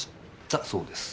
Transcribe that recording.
だそうです。